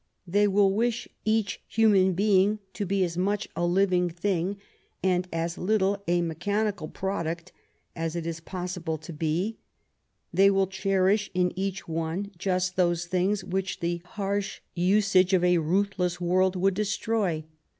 They will wish each human being to be as much a living thing and as little a mechanical product as it is possible to be; they will cherish in each one just those things which the harsh usage of a ruthless world would destroy.